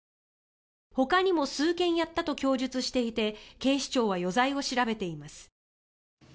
ほかにも数件やったと供述していて警視庁は余罪を調べています。